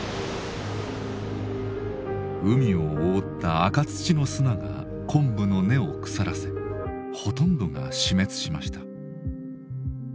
海を覆った赤土の砂が昆布の根を腐らせほとんどが死滅しました。